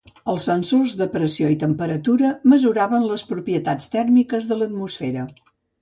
Els sensors de pressió i temperatura mesuraven les propietats tèrmiques de l'atmosfera.